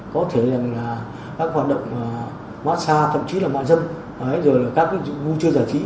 có thể là các hoạt động mát xa thậm chí là mạng dâm rồi là các vụ chưa giải trí